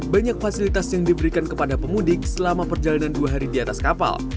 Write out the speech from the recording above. banyak fasilitas yang diberikan kepada pemudik selama perjalanan dua hari di atas kapal